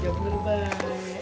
yang bener baik